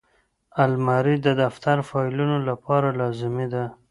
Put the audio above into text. الماري د دفتر فایلونو لپاره لازمي ده